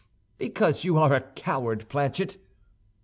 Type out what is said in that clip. "Because you are a coward, Planchet."